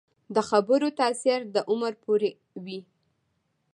د خبرو تاثیر د عمر پورې وي